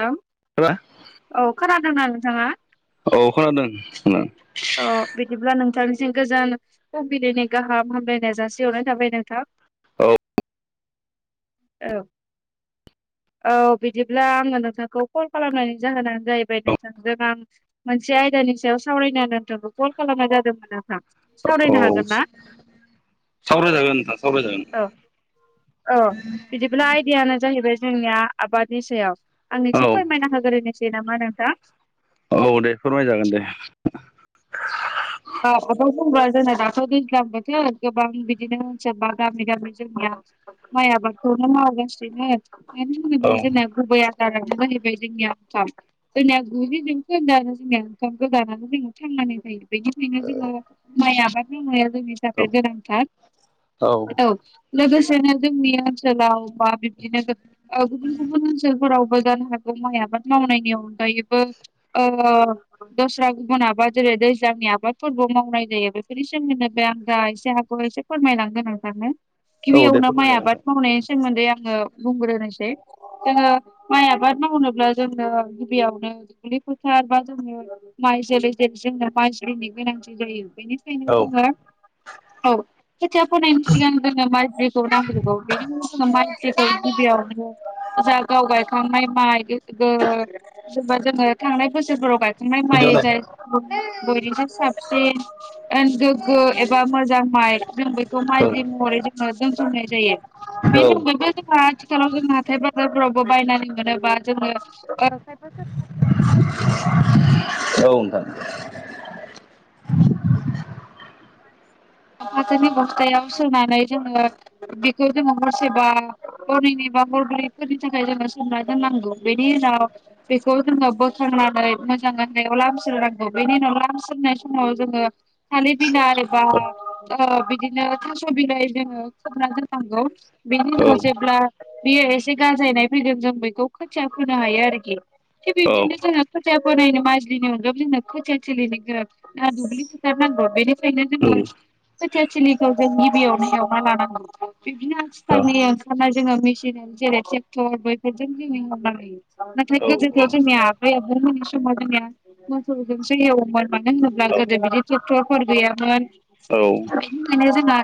Hello औ खोनादोंना नोंथाङा? औ खोनादों खोना सिम गोजोन फुंबिलिनि गाहाम हामलायनाय जासि हरनाय थाबाय नोंथां औ औ औ बिदिब्ला आङो नोंथांखौ कल खालामनायनि जाहोनानो जाहैबाय नोंथांजों आं मोनसे आयदा नि सायाव सावरायना नोंथांखौ कल खालामनाय जादोंमोन नोंथां औ सावरायनो हागोन ना सावराय जागोन नोंथां सावराय जागोन औ औ बिदिब्ला आयदायानो जाहैबाय जोंनिया आबादनि सायाव आं औ एसे फोरमायना होग्रोनोसै नामा नोंथां? औ दे फोरमाय जागोन दे औ आफा बुंबा जोंना दाथ' दैज्लां बोथोर गोबां बिदिनो सोरबा गामि गामि जोंनिया माइ आबादखौनो मावहै गासिनो मानो औ होनोब्ला जोंना गुबै आ [inaudible] जोंनिया ओंखाम जोंनिया गुजि जौखोन्दो आनो जोंनिया ओंखामखौ जानानै जों थाङो जायो बेनिखायनो जोङो माइ आबाद मावनाया जोंनि थाखाय औ गोनांथार औ लोगोस सेनो जोंनि ओनसोलाव बा बिबदिनो ओ गुबुन गुबुन ओनसोलफोराव जानो हागौ माइ आबाद मावनायनि अनगायैबो ओ दस्रा गुबुन आबाद जेरै दैज ज्लांनि आबादफोरबो मावनाय जायो बेफोरनि सोमोन्दो बे आं दा एसे हागौ एसे फोरमायलांगोन नोंथांनो। औ दे गिबियावनो माइ फोरमायजागोन आबाद नोंथां मावनाय सोमोन्दै आङो बुंग्रोनोसै जोङो माइ आबाद मावनोब्ला जोंनो गिबियावनो दुब्लि फोथार बा जोंनो माइ जोलै जेरै जोंना माइज्लिनि गोनांथि जायो बेनिखायनो औ जोङो औ खोथिया फोनायनि सिगां जोङो माइज्लिखौ नांग्रोगौ बेनि उनाव जोङो माइज्लिखौ गिबियावनो जा गाव गायखांनाय माइ गे ओ जेनबा जोङो थांनाय बोसोरफोराव गायखांनाय माइ बिदियावनो जायखौ बयनिफ्राय साबसिन एन गोगो एबा मोजां माइ जों बखौ औ माइज्लि महरै जोङो जों जोमनाय जायो बे औ रैबो जोङा आथिलाव जों हाथाय बाजारफोरावबो बायनानै मोनोबा जोङो ओ औ नोंथां औ फाथोनि बस्थायाव सोनानै जोङो बेखौ जोङो हरसेबा हरनैनि बा हरब्रैफोरनि थाखाय जोङो सोमना दोननांगौ बेनि उनाव बेखौ जोङो बोखांनानै मोजां गामलायाव लामस्रो नांगौ बेनि उनाव लामस्रोनाय समाव जोङो थालिर बिलाइ बा ओ बिदिनो थास' बिलाइ जोङो खोबना दोननांगौ बेनि औ उनाव जेब्ला बियो एसे गाजायनाय फैगोन जों बेखौ खोथिया फोनो हायो आरोखि। थिग अ बिबदिनो जोङो खोथिया फोनायनो माइज्लिनि अनगाबो जोंना खोथिया थिलिनि गोब थार दुब्लि फोथार नां गौ बेनिफ्रायनो जोङो दङ खोथिया थिलिखौ जों गिबियावनो एवना लानांगौ बिदिनो आथिखालनि ओंखारनाय जोङो मिसिन जेरै ट्रेक्टर बैफोरजों [unintelligible] नाथाय गोदोथ' आबै आबौमोन्नि समाव जोंनिया मोसौजोंसो एवोमोन मानो होनोब्ला गोदो बिदि ट्रेक्टरफोर गैयामोन बेनिखायनो जोंना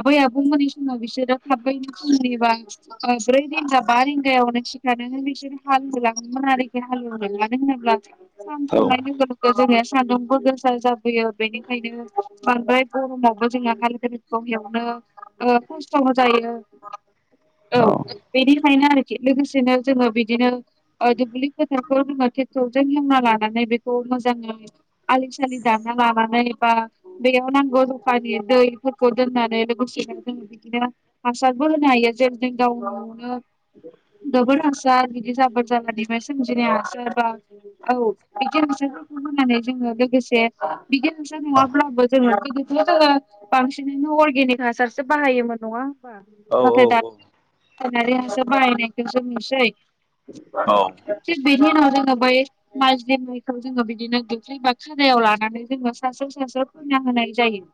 आबै आबौमोननि समाव बिसोरो [inaudible] ओ ब्रै रिंगा बा रिंगायावनो सिखारनानै बिसोर हाल होलाङोमोन आरोखि हालौदों मानो होनोब्ला सान थंनाय लोगो लोगो जोंनि सान्दुंबो गोसा जाबोयो बेनिखायनो बांद्राय गरमावबो जोंङा हाल गारिखौ एवनो ओ खस्थ' जायो औ बेनि आरोखि लोगोसेनो जोङो बिदिनो दुब्लि फोथारखौ जोङो ट्रेक्टरजों हेवना लानानै बेखौ मोजां आलि-आलि सालि दानना लानानै बा बेयाव नां ग ज'खानि दैफोरखौ दोननानै लोगोसेनो जों बिदिनो हासारबो होनो हायो [unintelligible] [unintelligible] गोबोर हासार बिदि जाबोर जालानि सोमजिनाय हासार [unintelligible] औ बिदि [unintelligible] होननानै जोङो लोगोसे [unintelligible] नङाब्लाबो जोङो जोङो बांसिनैनो अर्गेनिक हासारसो बाहायोमोन नङा होमबा! नाथाय दा पषटरासायनारि हासर बायनायखौ‌ नुसै [unintelligible] बिनि उनाव जोङो बै माजलि माइखौ जोङो बिदिनो [unintelligible] खादायाव लानानै जोङो सासे [unintelligible] होनाय जायो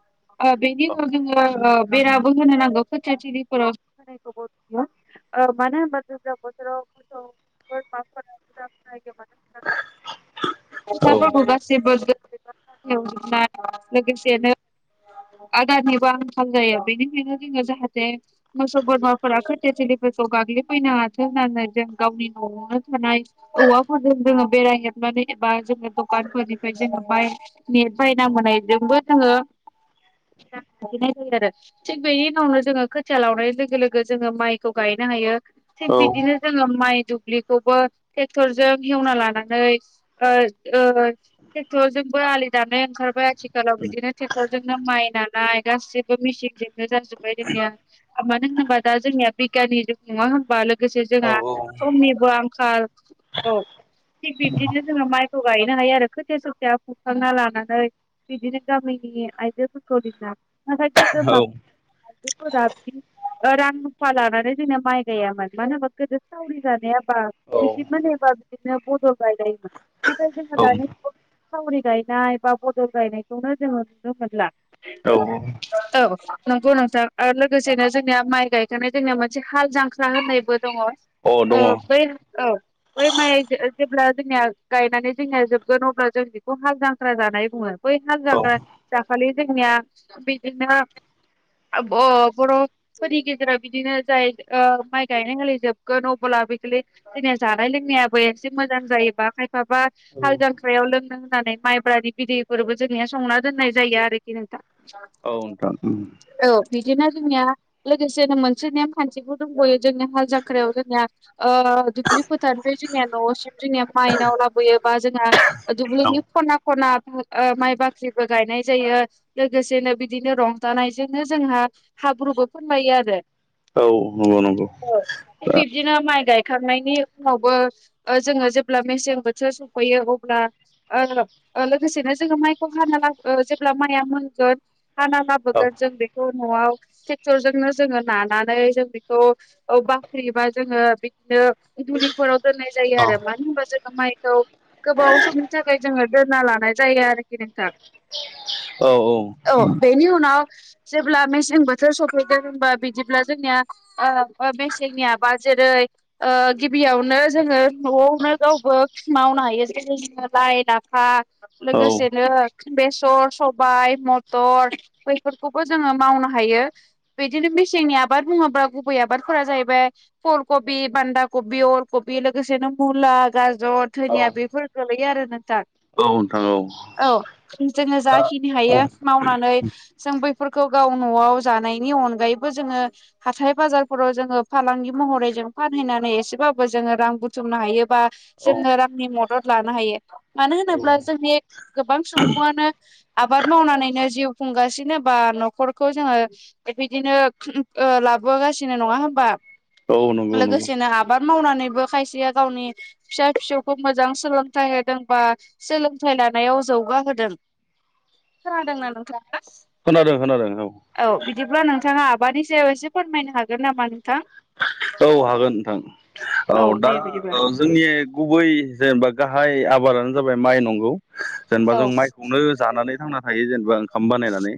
ओ बेनि उनाव जोङो ओ बेराबो होनो नांगौ खोथियाथिलिफोराव होन [unintelligible] ओ मानो होनबा गोजां बोथोरा मोसौ बोरमा [unintelligible] खोथाफोरखौ गासिबो [unintelligible] लोगोसेनो [inaudible] आदारनिबो आंखाल जायो बेनिखायनो जोङो जाहाथे मोसौ बोरमाफोरा खोथोथिलिफोरखौ गाग्लिफैनो हाथो होननानै जों गावनि न'आवनो थानाय औवाफोरजों जोङो बेरायहेबनानै एबा जोङो दखानफोरनिफ्राय जोङो बाय ने बायना मोनायजोंबो जोङो [inaudible] [unintelligible] नाय जायो आरो थिग बेनि उनावनो जोङो खोथिया लावनाय लोगो लोगो जोङो माइखौ गायनो हायो थिग बिदिनो जोङो माइ दुब्लिखौबो ट्रेक्टरजों हेवना लानानै ओ ओ ट्रेक्टर जोंबो आलि दानाय ओंखारबाय आथिखालाव बिदिनोे क्टरजोंनो माइ नानाय गासिबो मेसिनजोंनो जाजोब्बाय जोंनिया मानो होनोबा दा जोंनिया बिगियाननि जुग नङा होनबा लोगोसे जोंहा समनिबो आंखाल औ थिग बिबदिनो जोङो माइखौ गायनो हायो आरो खोथिया सोथाया फुखांना लानानै बिदिनो गामिनि आइजोफोरखौ नाथाय गोदो [unintelligible] [inaudible] आइजोफोरा रां रुफा लानानै जोंना माइ गायामोन मानो होनबा गोदो सावरि जानायाबा [unintelligible] दाथ' बदल गाय नाथाय जोंनिया दानि जुगाव [unintelligible] सावरि गायनाय बा बदल गायनायखौनो जोङो नुनो मोनला औ औ औ नंगौ नोंथां आरो लोगोसेनो जोंनिया माइ गायखानाय जोंनिया मोनसे हाल जांख्रा होननायबो दङ। औ बै औ बै माइ ओ जेब्ला जोंनिया गायनानै जोंनिया जोबगोन अब्ला जों बेखौ हाल जांख्रा जानाय बुङो बै हाल जांख्रा जाखालि जोंनिया बिदिनो ओ बर'फोरनि गेजेराव बिदिनो जाय ओ माइ गायनाय खालि जोबगोन अब्ला बे जों जानाय लोंनायाबो एसे मोजां जायोबा खायफाबा हाल जांख्रायाव लोंनो होननानै माइब्रानि बिदैफोरबो जोंनिया संना दोननाय जायो आरोखि नोंथां। औ नोंथां उम औ बिदिनो जोंनिया लोगोसेनो मोनसे नेम खान्थिबो दंबयो जोंनि हाल जांख्रायाव जोंनिया ओ ओ दुब्लि फोथारफ्राय जोंनिया न'सिम जोंनिया माइनाव लाबोयोबा जोंना औ दुब्लिनि खना ख ना माइ बाख्रि गायनाय जायो लोगोसेनो बिदिनो रंजानायजोंनो जोंहा हाब्रुबो फोनफायो आरो औ नंगौ नंगौ दा बिदिनो माइ गायखांनायनि उनावबो जोङो जेब्ला मेसें बोथोर सफैयो अब्ला ओ ओ लोगोसेनो जोङो माइखौ हानो ला ओ जेब्ला माया मोनगोन औ हानालाबोगोन जों बेखौ न'आव ट्रेक्टर जोंनो जोंङो लानानै जों बेखौ बाख्रिबा जोङो बिदिनो दुलिफोराव दोननाय जायो औ आरो मानो होनबा जोङो माइखौ गोबाव समनि थाखाय जोङो दोनना लानाय जायो आरोखि नोंथां। [inaudible] औ औ। औ बेनि उनाव जेब्ला मेसें बोथोर सफैदों होनबा बिदिब्ला जोंनिया ओ मेसेंनि आबाद जेरै ओ गिबियावनो जोङो न'आवनो गावबो मावनो [unintelligible] हायो जेनवबा लाइ लाफा औ लोगोसेनो बेसर सबाय मथर बैफोरखौबो जोङो मावनो हायो बिदिनो मेसेंनि आबाद बुङोब्ला गुबै आबादफोरा जाहैबाय फुल कबि बान्दा कबि अल कबि लोगोसे बिदिनो मुला गाजर औ धोनिया बेफोर गोलैयो आरो नोंथां। औ नोंथां औ। जोङो दा जाखिनि औ हायो औ मावनानै जों बैफोरखौ गाव न'आव जानायनि अनगायै बो जोङो हाथाय बाजारफोराव जोङो फालांगि महरै जों फानहैनानै एसेबाबो जोङो रां बुथुम बुथुमनो हायो बा जोङो रांनि मदद लानो हायो मानो औ होनोब्ला जोंनि गोबां सुबुं सुबङनो आबाद मावनानैनो जिउ खुंगासिनो बा न'खरखौ जोङो बेबायदिनो उम ओ लाबोगासिनो नङा होमबा? औ नंगौ नंगौ। लोगोसेनो आबाद मावनानैबो खायसेया गावनि फिसा फिसौखौ मोजां सोलोंथाइ होदोंबा सोलोंथाय लान लानायाव जौग होदों खोनादोंना नोंथाङा? खोनादों खोनादों औ बिदिब्ला नोंथाङा? माबानि सायाव एसे फोरमायनो हागोन नामा नोंथां? औ हागोन नोंथां। औ दा दे बिदिब्ला। औ जोंनि गुबै जेनेबा गाहाय आबाद आबादानो जाबाय माइ नंगौ। जेनेबा औ जों माइखौनो जानानै थांना थायो जेनेबा ओंखाम बानायनानै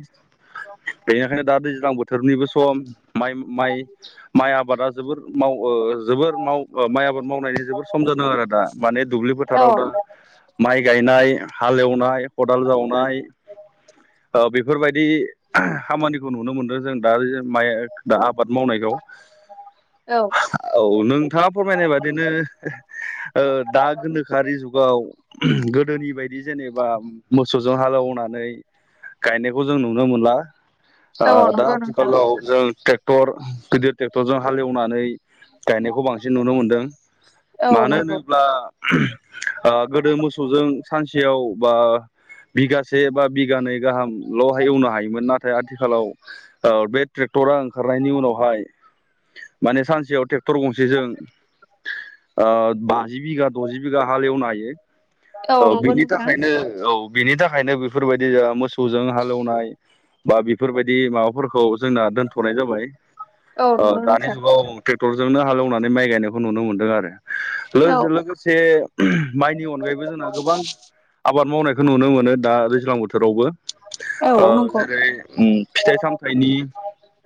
बेनिखायनो दा दैज्लां बोथोरनिबो समाइ माइ माइ आबादा जोबोर माव ओ जोबोर ओ माव माइ आबाद मावनायनि जोबोर सम जादों आरो दा माने दुब्लि औ फोथाराव दा माइ गायनाय हाल एवनाय खदाल जावनाय ओ बेफोरबायदि ओह खामानिखौ नुनो मोनदों जों दा माइ दा आबाद मावनायखौ औ औ नोंथाङा फोरमायनाय बादिनो दा ओ गोनोखोआरि जुगाव उम गोदोनि बायदि जेनेबा मोसौजों हालौवनानै गायनायखौ जों नुनो मोनला औ ओ दा नंगौ नोंथां आथिखालाव जों ट्रेक्टर गोदो हालेवनानै गायनायखौ बांसिन नुनो मोनदों। औ मानो नंगौ होनोब्ला गोदो ओ मोसौजों सानसे सेयाव बा बिगासे बा बिगानै गाहामल'हाय एवनो हायोमोन नाथाय नाथाय आथिखालाव ओ बे ट्रेक्टरा ओंखारनायनि उनावहाय माने सानसेयाव ट्रेक्टर गंसे जों ओ बाजि बिघा द'जि बिघा हालेवनाय हायो। औ नंगौ बिनि नोंथां। थाखायनो औ बिनि थाखायनो बेफोरबायदि मोसौजों हालौवनाय बा बेफोरबायदि माबाफोरखौ जोंना दोनथ'नाय जाबाय औ नंगौ दानि ओ नोंथां जुगाव टेक क्टरजोंनो हालेवनानै माइ गायनायखौ नुनो मोनदों आरो। औ लोगों लोगोसे माइनि अनगायैबो जोंहा गोबां आबाद मावनाय खौ नुनो मोनो दा दैज्लां बोथोर बोथोरावबो औ ओ नंगौ जेरै फिथाइ सामथाइनि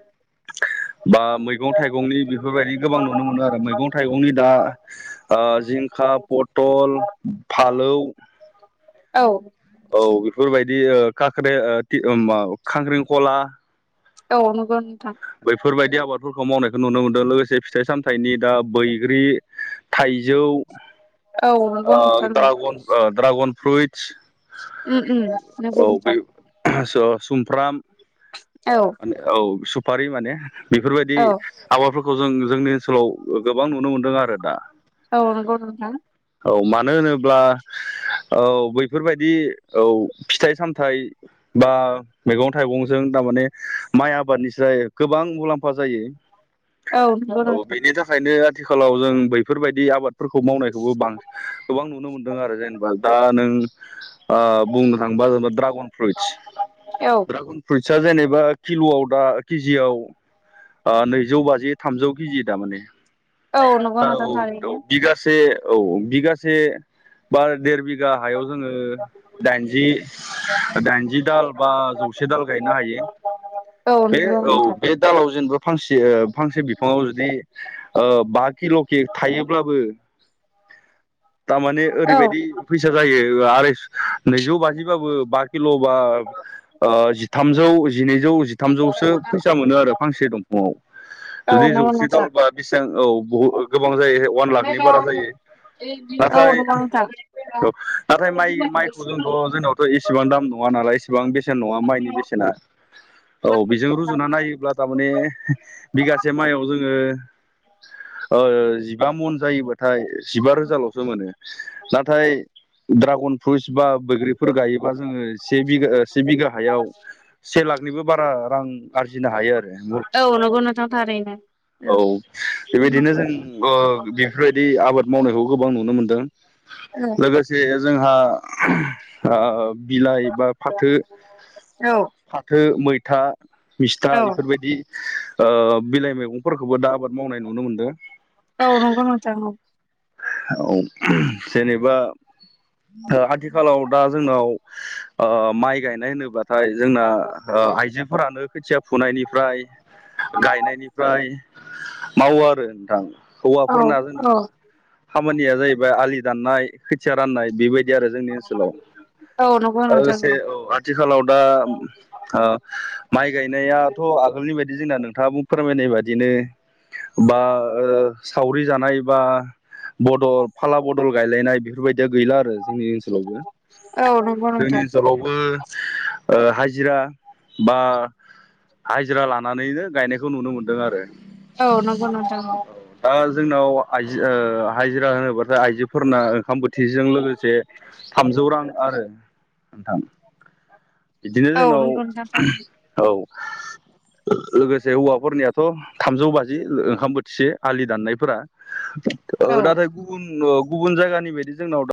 [inaudible] बा मैगं थाइगंनि बेफोरबायदि गोबां नुनो मोनो आरो मैगं थाइगंनि दा ओ जिंखा ओ पतल फालौ औ औ बेफोरबायदि ओ खाख्रि ओ खाख्रेलखला औ नंगौ नोंथा़ बैफोरबायदि आबाद फोरखौ मावनायखौ नुनो मोनदों लोगोसे फिथाइ सामथनि दा बैग्रि थाय जौ औ नंगौ ओ‌ नोंथां औ दाड्रागन दाड्रागन फ्रुइट। उम उम नंगौ औ बै नोंथां ओह सुमफ्राम औ माने औ सुफारि माने बेफोरबायदि औ आबादफोरखौ खौ जों जोंनि ओनसोलाव गोबां नुनो मोनदों आरो दा औ नंगौ नोंथां औ मानो होनोब्ला बैफोरबायदि औ फिथाइ सामथाइ बा मैगं थाइगंजों थारमाने माइ आबादनिफ्राय गोबां मुलाम्फा जायो औ नंगौ औ नोंथां बेनि थाखायनो आथिखालाव जों बैफोरबायदि आबाद फोरखौ मावनायखौबो बांसिन गोबां नुनो मोनदों आरो जेनेबा दा नों बुंनो थाङोबा जेनेबा ड्रागन फ्रुइट्स औ ड्रागन फ्रुइट्सआ जेनेबा किल'आव दा केजियाव नैजौ बाजि थामजौ केजि दमाने औ नंगौ नोंथां औ थारैनो बिगासे औ बिगासे बा देर बिगा हायाव जोङो दाइनजि दाइनजि दाल बा जौसे दाल गायनो हायो [unintelligible] बे औ नोंथां बे दालाव जेनेबा फांसे फांसे बिफाङाव जुदि बा किल' के थायोब्लाबो थारमाने औ ओरैबायदि फैसा जायो आरो नैजौ बाजिबाबो बा किल' बा जिथामजौ जिनैजौ जिथामजौसो फैसा मोनो आरो फांसे दंफाङाव औ जुदि नंगौ जौसि नोंथां दालबा बेसेबां औ बु गोबां जायो अवान लाखनि बारा जायो औ नाथाय नंगौ नोंथां औ नाथाय माइ माइखौ जोंथ' जों इसेबां दाम नङा नालाय इसेबां बेसेन नङा माइनि बेसेना औ बेजों रुजुना नायोब्ला थारमाने बिगासे माइयाव जोङो जिबा मन जायोबाथाय जिबा रोजाल'सो मोनो नाथाय ड्रागन फ्रुइट्स बा बैग्रिफोर गायोबा जोङो से बिघा से बिघा हायाव से लाखनिबो बारा रां आरजिनो हायो आरो औ नंगौ नोंथां थारैनो औ बेबायदिनो जों बेफोरबायदि आबाद मावनायखौ गोबां नुनो मोनदों औ लोगोसे जोंहा बिलाइ बा फाथो औ फाथो मैथा मिस्था औ बेफोरबायदि बिलाइ औ नंगौ औ जेनेबा आथिखालाव दा जोंनाव माइ गायनाय होनोब्ला नाथाय जोंना आइजोफोरानो खोथिया फुनायनिफ्रायश्र गायनायनिफ्राय मावो आरो नोंथां हौवाफोरना जोंना औ खामानिया जाहैबाय आलि दाननाय खोथिया राननाय बेबायदि आरो जोंनि ओनसोलाव औ नंगौ नोंथां लोगोसे औ आथिखालाव दा माइ गायनायाथ' आगोलनि बायदि जोंना नोंथाङा बुं फोरमायनाय बादिनो बा सावरि जानाय बा बदल फाला बदल गायलायनाय बेफोरबायदि दा गैला आरो जोंनि ओनसोलावबो औ नंगौ जोंनि नोंथां ओनसोलावबो हाजिरा बा हाजिरा लानानैनो गायनायखौ नुनो मोनदों आरो औ नंगौ नोंथां। दा जोंनाव आइजो हाजिरा होनोब्लाथाय आइजोफोरना ओंखाम बोथोर। थिजों लोगोसे थामजौ रां आरो नोंथां। बिदिनो औ जोंनाव नंगौ नोंथां थारैनो औ। [inaudible] लोगोसे हौवाफोरनियाथ' थामजौ बाजि ओंखाम बोथिसे आलि दाननायफोरा। औ नाथाय गुबुन गुबुन जायगानि बायदि जोंनाव दा।